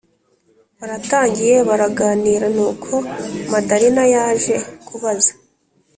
baratangiye baraganira nuko madalina yaje kubaza